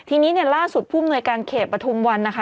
อันนี้เนี่ยล่าสุดภูมิหน่วยการเขตประทุมวันนะคะ